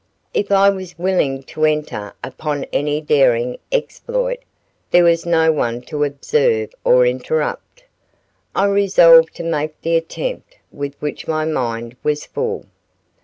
If I was willing to enter upon any daring exploit, there was no one to observe or interrupt. I resolved to make the attempt with which my mind was full.